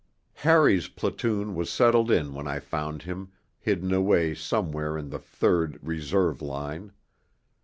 III Harry's platoon was settled in when I found him, hidden away somewhere in the third (Reserve) line.